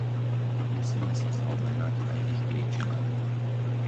Musíme sa zaoberať aj ich príčinami.